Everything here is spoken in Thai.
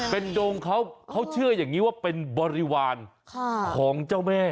เป็นดงเขาเขาเชื่ออย่างนี้ว่าเป็นบริวารของเจ้าแม่